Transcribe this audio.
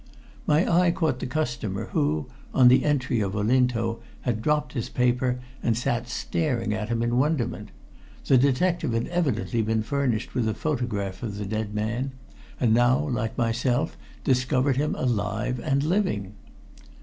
My eye caught the customer who, on the entry of Olinto, had dropped his paper and sat staring at him in wonderment. The detective had evidently been furnished with a photograph of the dead man, and now, like myself, discovered him alive and living.